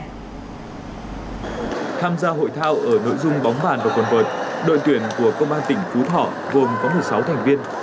tham gia hội thao ở nội dung bóng bàn và quần vợt đội tuyển của công an tỉnh phú thọ gồm có một mươi sáu thành viên